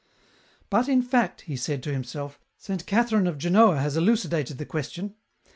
" But, in fact," he said to himself, " Saint Catherine of Genoa has elucidated the question.